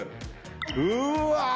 うわ！